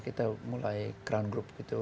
kita mulai crown group gitu